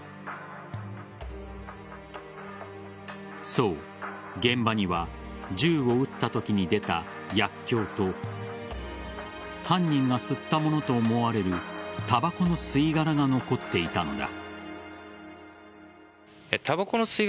そう、現場には銃を撃ったときに出た薬きょうと犯人が吸ったものと思われるたばこの吸い殻が残っていたのだ。